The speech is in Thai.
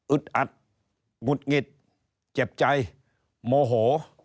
อึดอัดหมุดงิดเจ็บใจโมโห